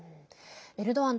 エルドアン